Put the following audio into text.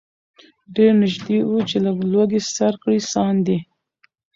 ډېر نیژدې وو چي له لوږي سر کړي ساندي